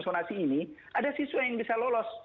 sonasi ini ada siswa yang bisa lolos